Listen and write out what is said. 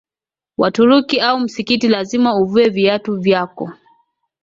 Waturuki au msikiti lazima uvue viatu vyako